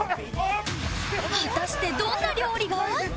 果たしてどんな料理が？